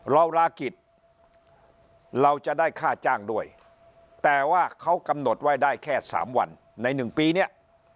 ลากิจเราจะได้ค่าจ้างด้วยแต่ว่าเขากำหนดไว้ได้แค่๓วันใน๑ปีเนี่ย